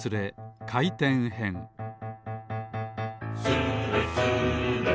「スレスレ」